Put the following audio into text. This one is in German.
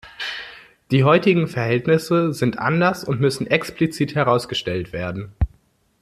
Die heutigen Verhältnisse sind anders und müssen explizit herausgestellt werden.